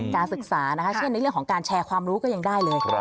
การศึกษานะคะเช่นในเรื่องของการแชร์ความรู้ก็ยังได้เลย